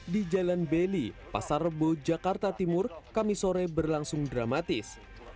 di jalan beli pasar rebo jakarta timur kami sore berlangsung dramatis